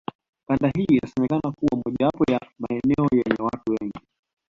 Kanda hii inasemekana kuwa mojawapo ya maeneo yenye watu wengi